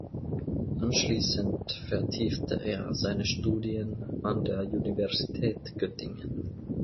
Anschließend vertiefte er seine Studien an der Universität Göttingen.